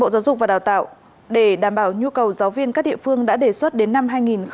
bộ giáo dục và đào tạo để đảm bảo nhu cầu giáo viên các địa phương đã đề xuất đến năm hai nghìn hai mươi